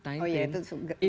oh iya itu gratis